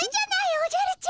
おじゃるちゃん。